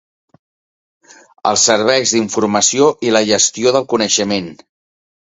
Els serveis d'informació i la gestió del coneixement.